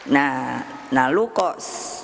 nah nah lu kok